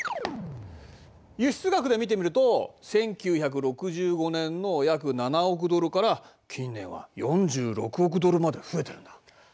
輸出額で見てみると１９６５年の約７億ドルから近年は４６億ドルまで増えてるんだ。